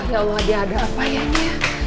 ya allah dia ada apa ya kiki